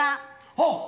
あっ！